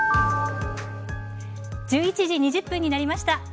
１１時２０分になりました。